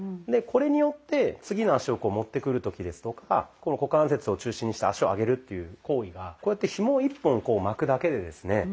でこれによって次の足をこう持ってくる時ですとかこの股関節を中心にした足を上げるっていう行為がこうやってひもを１本こう巻くだけでですね